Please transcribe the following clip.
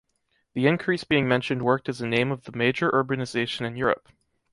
The increase being mentioned worked as a name of the major urbanization in Europe.